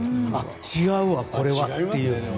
違うわ、これはっていう。